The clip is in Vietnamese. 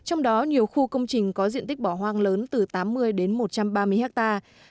trong đó nhiều khu công trình có diện tích bỏ hoang lớn từ tám mươi đến một trăm ba mươi hectare